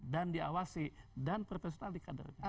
dan diawasi dan profesional di kadernya